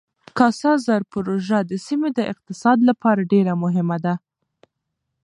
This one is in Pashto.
کاسا زر پروژه د سیمې د اقتصاد لپاره ډېره مهمه ده.